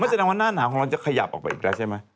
แสดงว่าหน้าหนาวของเราจะขยับออกไปอีกแล้วใช่ไหม